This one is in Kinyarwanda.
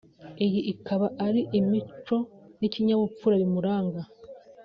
iyo ikaba ari imico n'ikinyabupfura bimuranga